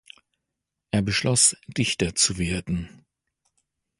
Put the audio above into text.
Er beschloss, Dichter zu werden.